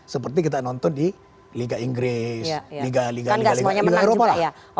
seperti kita nonton di liga inggris liga liga liga liga di eropa